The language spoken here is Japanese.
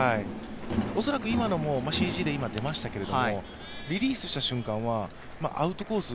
恐らく今のもＣＧで出ましたけどリリースした瞬間はアウトコース